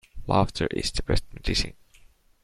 Laughter is the best medicine.